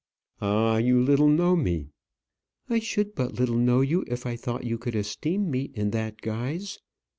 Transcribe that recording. "Ah! you little know me." "I should but little know you if I thought you could esteem me in that guise.